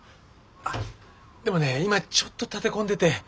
あっでもね今ちょっと立て込んでて。